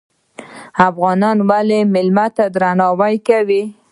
افغانان ولې میلمه ته درناوی کوي؟